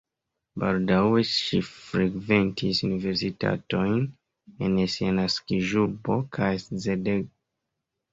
Baldaŭe ŝi frekventis universitatojn en sia naskiĝurbo kaj Szeged.